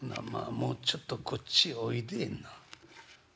もうちょっとこっちへおいでえな」。